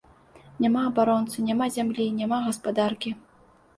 Няма абаронцы, няма зямлі, няма гаспадаркі.